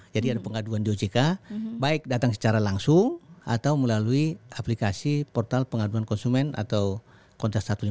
jadi ada pengaduan di ojk baik datang secara langsung atau melalui aplikasi portal pengaduan konsumen atau kontras satu ratus lima puluh tujuh